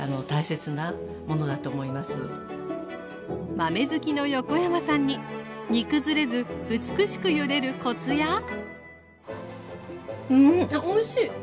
豆好きの横山さんに煮崩れず美しくゆでるコツやうんあっおいしい！